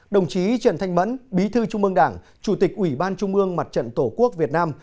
đồng chí trần thanh mẫn bí thư trung mương đảng chủ tịch ủy ban trung ương mặt trận tổ quốc việt nam